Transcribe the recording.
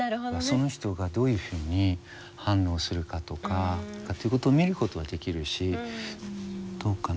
その人がどういうふうに反応するかとかってことを見ることはできるしどうかな？